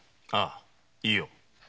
ああいいよ。